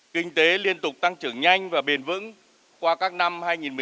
kinh tế liên tục tăng trưởng nhanh và bền vững qua các năm hai nghìn một mươi sáu hai nghìn một mươi bảy